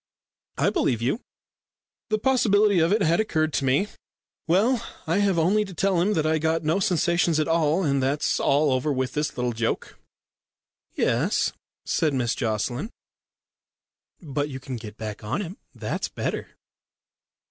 "I believe you. The possibility of it had occurred to me. Well, I have only to tell him that I got no sensations at all, and that's all over with this little joke." "Yes," said Miss Jocelyn, "but you can get back on him. That's better."